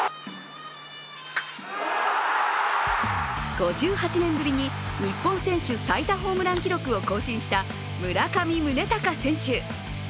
５８年ぶりに日本選手最多ホームラン記録を更新した村上宗隆選手。